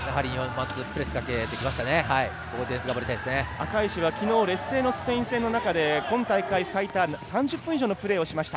赤石はきのう劣勢のスペイン戦の中で今大会最多の３０分以上のプレーをしました。